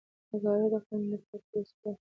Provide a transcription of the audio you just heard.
اداره د قانون د پلي کولو وسیله ده.